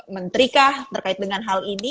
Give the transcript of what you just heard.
menteri kah terkait dengan hal ini